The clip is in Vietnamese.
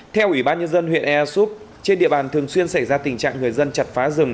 theo ủy ban nhân dân huyện ea súp trên địa bàn thường xuyên xảy ra tình trạng người dân chặt phá rừng